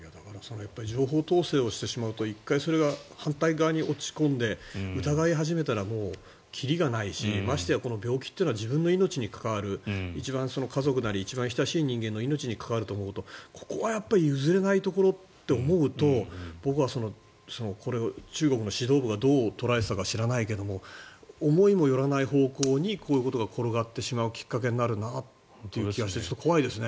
情報統制してしまうと１回それが反対側に落ち込んで疑い始めたらもう切りがないしましてや病気というのは自分の命に関わる一番、家族なり一番親しい人間の命に関わると思うとここはやっぱり譲れないところって思うと僕は中国の指導部がどう捉えていたか知らないけど思いもよらない方向にこういうことが転がってしまうきっかけになるなという気がしてちょっと怖いですね。